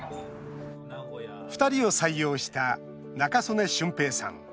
２人を採用した仲宗根俊平さん。